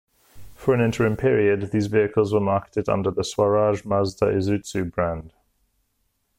For an interim period, these vehicles were marketed under the Swaraj Mazda Isuzu brand.